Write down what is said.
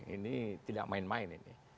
ini tidak main main ini